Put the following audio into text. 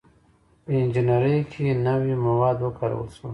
• په انجینرۍ کې نوي مواد وکارول شول.